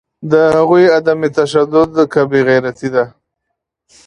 د هغوی عدم تشدد که بیغیرتي ده